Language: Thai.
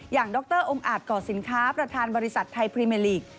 อย่างดรองค์อาจก่อสินค้าประธานบริษัทไทยพรีเมอร์ลีก